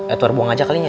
edward buang aja kalinya